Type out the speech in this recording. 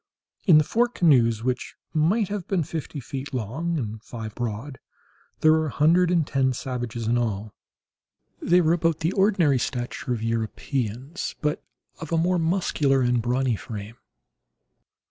In the four canoes, which might have been fifty feet long and five broad, there were a hundred and ten savages in all. They were about the ordinary stature of Europeans, but of a more muscular and brawny frame.